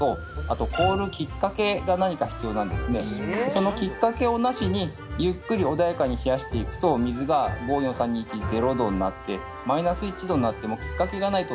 そのきっかけをなしにゆっくり穏やかに冷やしていくと水が５４３２１０℃になって。